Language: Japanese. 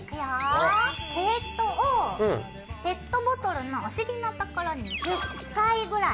ペットボトルのお尻のところに１０回ぐらい。